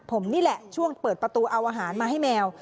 ผมนี่แหละช่วงเปิดประตูเอาอาหารมาให้แมว